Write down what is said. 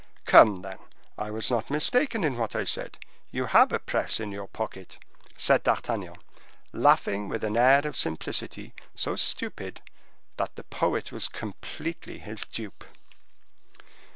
"Come, then, I was not mistaken in what I said; you have a press in your pocket," said D'Artagnan, laughing with an air of simplicity so stupid, that the poet was completely his dupe.